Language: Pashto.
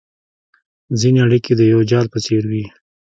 ځیني اړیکي د یو جال په څېر وي